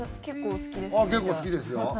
結構好きですよ。